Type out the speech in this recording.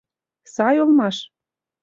— Сай улмаш!